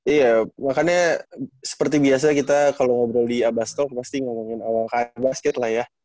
iya makanya seperti biasa kita kalo ngobrol di abas talk pasti ngomongin awal karir basket lah ya